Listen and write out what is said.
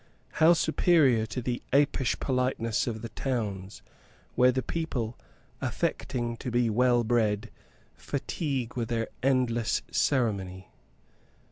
How superior to the apish politeness of the towns! where the people, affecting to be well bred, fatigue with their endless ceremony.